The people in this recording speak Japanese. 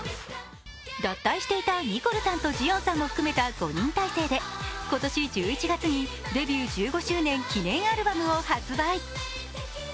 脱退していたニコルさんとジヨンさんも含めた５人体制で今年１１月にデビュー１５周年記念アルバムを発売。